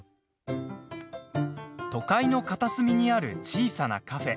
都会の片隅にある小さなカフェ